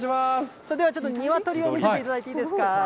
それではちょっと、ニワトリを見せていただいていいですか？